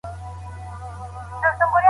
د هغه اخري وصیت